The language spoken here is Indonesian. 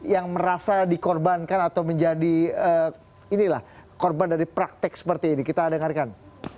yang merasa dikorbankan atau menjadi korban dari praktek seperti ini kita dengarkan